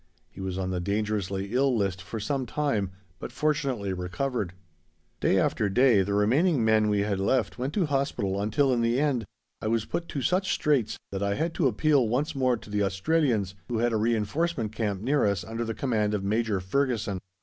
He was on the "dangerously ill" list for some time, but fortunately recovered. Day after day the few remaining men we had left went to hospital until, in the end, I was put to such straits that I had to appeal once more to the Australians, who had a reinforcement camp near us under the command of Major Ferguson.